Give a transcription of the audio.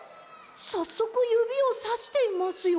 さっそくゆびをさしていますよ。